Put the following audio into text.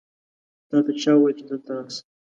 تا ته چا وویل چې دلته راسه؟